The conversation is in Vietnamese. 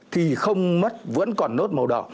thì không mất vẫn còn nốt màu đỏ